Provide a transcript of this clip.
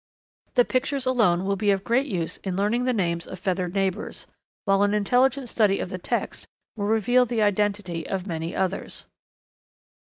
The pictures alone will be of great use in learning the names of feathered neighbours, while an intelligent study of the text will reveal the identity of many others.